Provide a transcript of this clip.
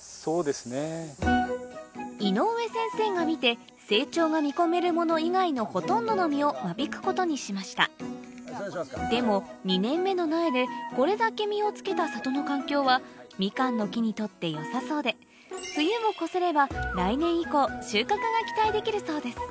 井上先生が見て成長が見込めるもの以外のでも２年目の苗でこれだけ実をつけた里の環境はミカンの木にとって良さそうで冬を越せれば来年以降収穫が期待できるそうです